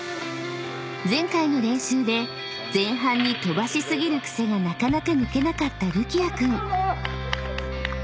［前回の練習で前半に飛ばし過ぎる癖がなかなか抜けなかったるきあ君］